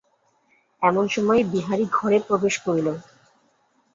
এমন সময় বিহারী ঘরে প্রবেশ করিল।